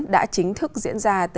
đã chính thức diễn ra từ